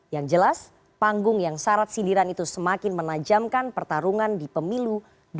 yang jelas panggung yang syarat sindiran itu semakin menajamkan pertarungan di pemilu dua ribu sembilan belas